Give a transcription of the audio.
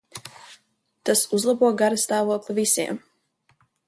Tas uzlabo garastāvokli visiem.